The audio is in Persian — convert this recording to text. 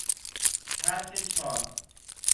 چرخ چاه